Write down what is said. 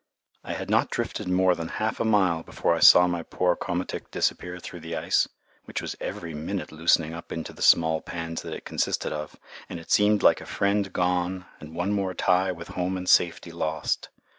I had not drifted more than half a mile before I saw my poor komatik disappear through the ice, which was every minute loosening up into the small pans that it consisted of, and it seemed like a friend gone and one more tie with home and safety lost.